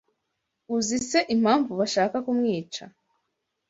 Uzi se impamvu bashaka kumwica